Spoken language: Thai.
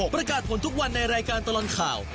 ประกาศผลทุกวันในรายการตลอดข่าว